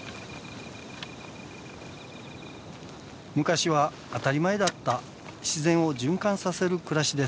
昔は当たり前だった自然を循環させる暮らしです。